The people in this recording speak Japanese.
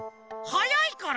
はやいから！